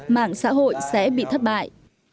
mạng xã hội sẽ bị thất bại